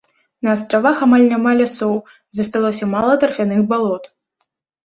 На астравах амаль няма лясоў, засталося мала тарфяных балот.